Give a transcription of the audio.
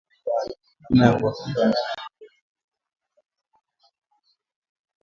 Namna ya kuwakinga wanyama dhidi ya ugonjwa wa ndorobo